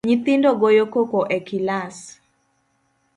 Nyithindo goyo koko e kilas